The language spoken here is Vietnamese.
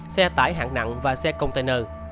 xe tải hạng nặng và xe container